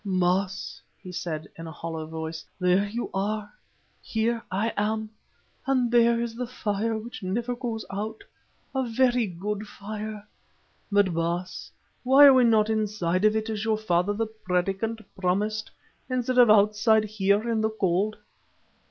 "Baas," he said in a hollow voice, "there you are, here I am, and there is the fire which never goes out, a very good fire. But, Baas, why are we not inside of it as your father the Predikant promised, instead of outside here in the cold?"